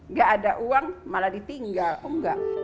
nggak ada uang malah ditinggal